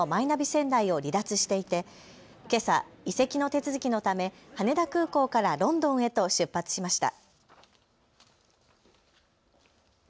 仙台を離脱していてけさ移籍の手続きのため羽田空港からロンドンへと出発しました。